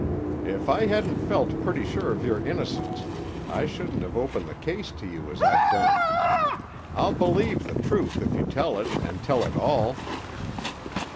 "If I hadn't felt pretty sure of your innocence, I shouldn't have opened the case to you as I've done. I'll believe the truth if you tell it, and tell it all."